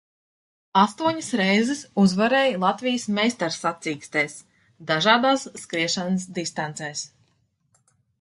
Astoņas reizes uzvarēja Latvijas meistarsacīkstēs dažādās skriešanas distancēs.